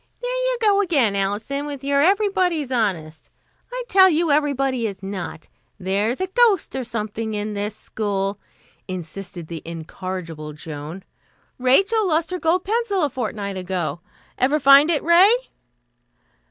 "There you go again, Alison, with your 'everybody's honest.' I tell you everybody is not. There's a ghost or something in this school," insisted the incorrigible Joan. "Rachel lost her gold pencil a fortnight ago. Ever find it, Ray?"